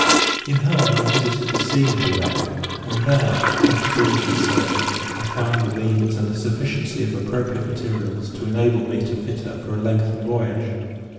In her I visited the scene of the wreck; and there, after diligent search, I found the means and a sufficiency of appropriate materials to enable me to fit her for a lengthened voyage.